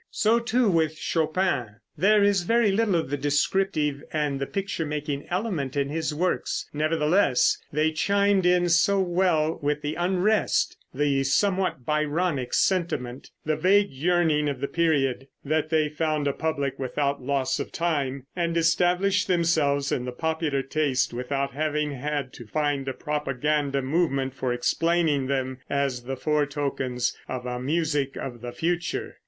So, too, with Chopin. There is very little of the descriptive and the picture making element in his works. Nevertheless, they chimed in so well with the unrest, the somewhat Byronic sentiment, the vague yearning of the period, that they found a public without loss of time, and established themselves in the popular taste without having had to find a propaganda movement for explaining them as the foretokens of a "music of the future."